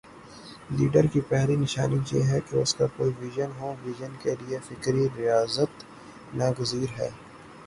Leader کی پہلی نشانی یہ ہے کہ اس کا کوئی وژن ہو وژن کے لیے فکری ریاضت ناگزیر ہے۔